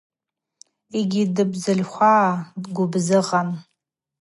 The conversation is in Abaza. Игьи дгьибзытлхвагӏа гвыбзыгъан.